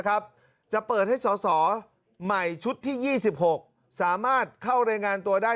จะเปิดให้สอสอใหม่ชุดที่๒๖สามารถเข้ารายงานตัวได้